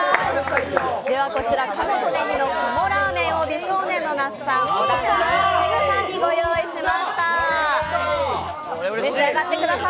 こちら鴨ｔｏ葱の鴨らーめんを美少年の那須さん、小田さん、きむさんにご用意しました。